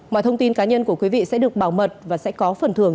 mọi thông tin cá nhân của quý vị sẽ được bảo mật và sẽ có phần thưởng